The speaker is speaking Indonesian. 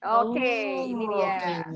oke ini dia